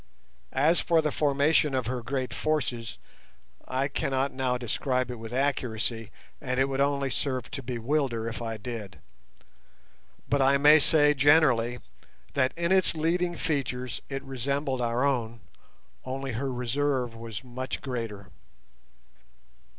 As for the formation of her great forces I cannot now describe it with accuracy, and it would only serve to bewilder if I did, but I may say, generally, that in its leading features it resembled our own, only her reserve was much greater.